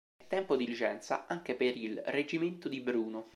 È tempo di licenza anche per il reggimento di Bruno.